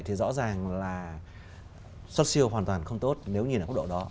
thì rõ ràng là xuất siêu hoàn toàn không tốt nếu nhìn ở mức độ đó